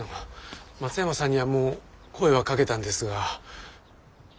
松山さんにはもう声はかけたんですが。